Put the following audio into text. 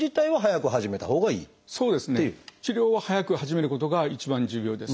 治療は早く始めることが一番重要です。